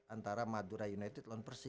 antara madura united lawan persib